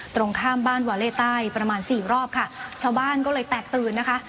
ตรงข้ามบ้านวาเล่ใต้ประมาณสี่รอบค่ะชาวบ้านก็เลยแตกตื่นนะคะ